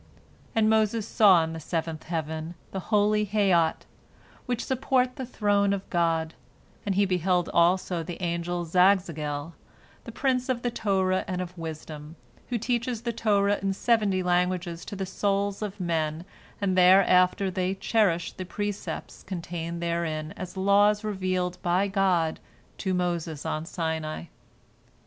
And Moses saw in the seventh heaven the holy Hayyot, which support the throne of God; and he beheld also the angel Zagzagel, the prince of the Torah and of wisdom, who teaches the Torah in seventy languages to the souls of men, and thereafter they cherish the precepts contained therein as laws revealed by God to Moses on Sinai.